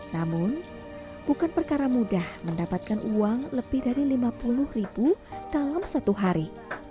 namun bukan perkara mudah mendapatkan uang lebih dari lima puluh ribu dalam satu hari